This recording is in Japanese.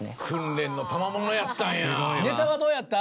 訓練のたまものやったんや。